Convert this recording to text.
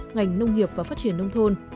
ngành nông nghiệp và phát triển nông thôn